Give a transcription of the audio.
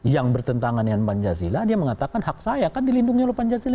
yang bertentangan dengan pancasila dia mengatakan hak saya kan dilindungi oleh pancasila